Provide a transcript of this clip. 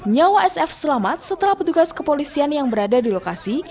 nyawa sf selamat setelah petugas kepolisian yang berada di lokasi